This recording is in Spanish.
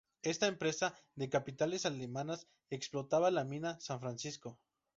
Esta empresa de capitales alemanes explotaba la mina San Francisco.